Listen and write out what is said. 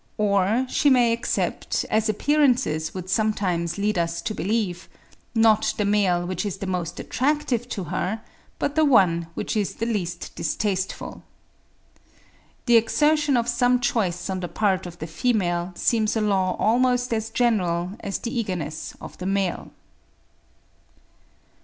Or she may accept, as appearances would sometimes lead us to believe, not the male which is the most attractive to her, but the one which is the least distasteful. The exertion of some choice on the part of the female seems a law almost as general as the eagerness of the male.